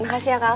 makasih ya kal